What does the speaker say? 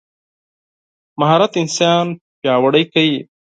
مهارت انسان پیاوړی کوي.